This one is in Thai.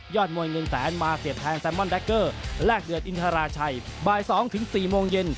มวยเงินแสนมาเสียบแทงแซมมอนแดคเกอร์แลกเดือดอินทราชัยบ่าย๒ถึง๔โมงเย็น